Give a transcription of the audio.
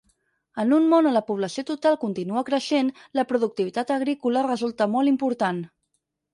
En un món on la població total continua creixent la productivitat agrícola resulta molt important.